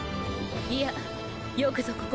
いやよくぞ